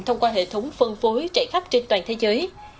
thông qua hệ thống phân phối trải khắp trên toàn thế giới